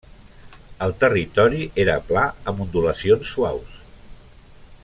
El territori era pla amb ondulacions suaus.